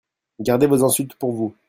Gardez vos insultes pour vous